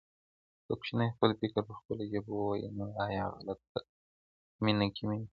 که کوچنی خپل فکر په خپله ژبه ووایي نو ایا غلط فهمي نه کمېږي.